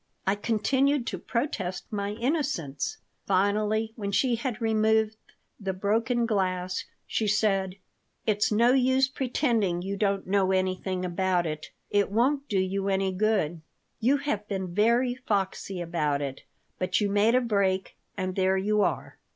I continued to protest my innocence. Finally, when she had removed the broken glass, she said: "It's no use pretending you don't know anything about it. It won't do you any good. You have been very foxy about it, but you made a break, and there you are!